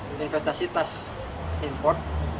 pelaku ini investasi tas impor